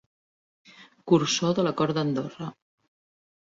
Cursor de la cort d'Andorra.